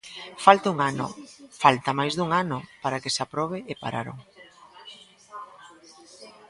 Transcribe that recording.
Falta un ano, falta máis dun ano para que se aprobe, e pararon.